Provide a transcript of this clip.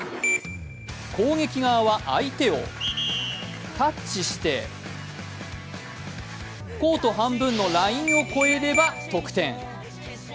攻撃側は相手をタッチして、コート半分のラインを超えれば得点。